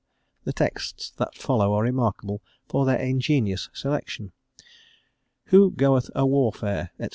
The texts that follow are remarkable for their ingenious selection: "Who goeth a warfare," &c.